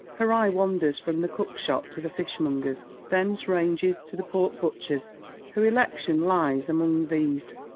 Her eye wanders from the cook shop to the fishmonger's, thence ranges to the pork butcher's. Her election lies among these.